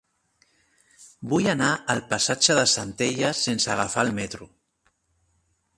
Vull anar al passatge de Centelles sense agafar el metro.